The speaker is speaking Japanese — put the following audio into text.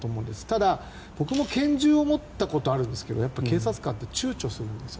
ただ、僕も拳銃を持ったことがあるんですが警察官って躊躇するんです。